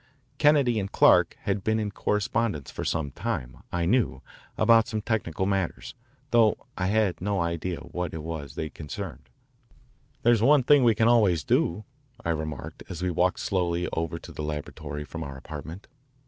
Kennedy and Clark had been in correspondence for some time, I knew, about some technical matters, though I had no idea what it was they concerned. "There's one thing we can always do," I remarked as we walked slowly over to the laboratory from our apartment.